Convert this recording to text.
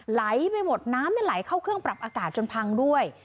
ไหลไปหมดน้ำไหลเข้าเครื่องปรับอากาศจนพังด้วย